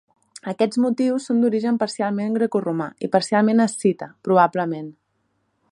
Aquests motius són d'origen parcialment grecoromà i parcialment escita, probablement.